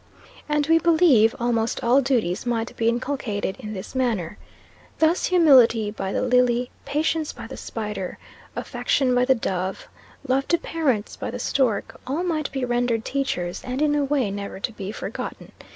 And, we believe, almost all duties might be inculcated in this manner. Thus, humility by the lily, patience by the spider, affection by the dove, love to parents by the stork, all might be rendered teachers, and in a way never to be forgotten.